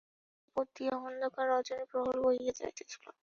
জগতের উপর দিয়া অন্ধকার রজনীর প্রহর বহিয়া যাইতেছিল।